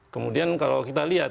kemudian kalau kita lihat